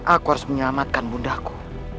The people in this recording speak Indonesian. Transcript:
aku harus menyelamatkan bundaku